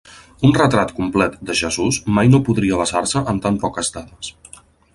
Un retrat complet de Jesús mai no podria basar-se en tan poques dades.